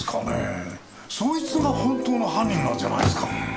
そいつが本当の犯人なんじゃないですか。